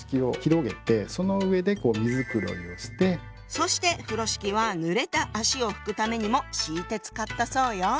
そして風呂敷はぬれた足を拭くためにも敷いて使ったそうよ。